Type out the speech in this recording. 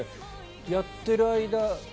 やってる間。